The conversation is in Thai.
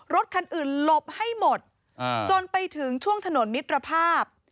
รถคันอื่นหลบให้หมดจนไปถึงช่วงถนนมิตรภาพ